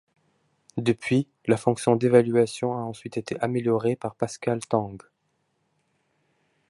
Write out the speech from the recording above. Depuis, la fonction d'évaluation a ensuite été améliorée par Pascal Tang.